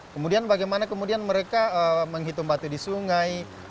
kemudian bagaimana kemudian mereka menghitung batu di sungai